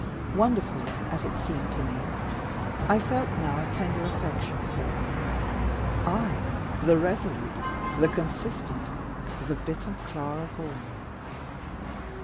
Wonderful as it seemed to me, I felt now a tender affection for him, I the resolute, the consistent, the bitter Clara Vaughan.